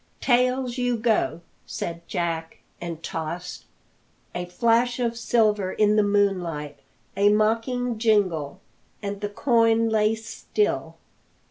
"Tails, you go," said Jack, and tossed. A flash of silver in the moonlight, a mocking jingle, and the coin lay still.